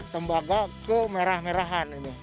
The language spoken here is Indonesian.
tembaga kemerah merahan ini